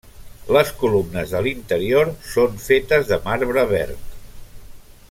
Les columnes de l'interior són fetes de marbre verd.